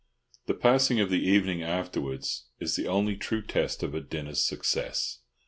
The passing of the evening afterwards is the only true test of a dinner's success.